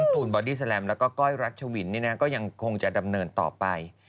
ตูนบอดี้แลมแล้วก็ก้อยรัชวินก็ยังคงจะดำเนินต่อไป